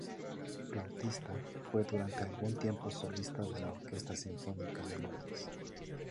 Flautista, fue durante algún tiempo solista de la Orquesta Sinfónica de Londres.